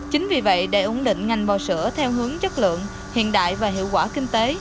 chính vì vậy để ổn định ngành bò sữa theo hướng chất lượng hiện đại và hiệu quả kinh tế